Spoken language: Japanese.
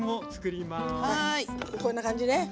こんな感じね。